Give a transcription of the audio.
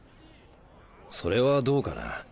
それはどうかな。